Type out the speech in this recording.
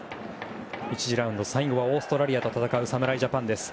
１次ラウンドの最後はオーストラリアと戦う侍ジャパンです。